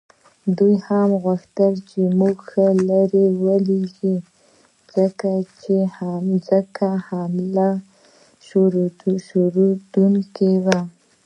دوی هم غوښتل چې موږ ښه لرې ولیږي، ځکه حمله شروع کېدونکې وه.